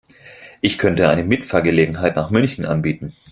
Ich könnte eine Mitfahrgelegenheit nach München anbieten